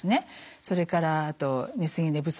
それからあと寝過ぎ寝不足